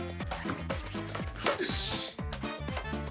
よし。